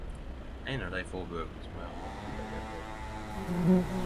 Ein av de få bøkene som eg har måtta legga i frå meg.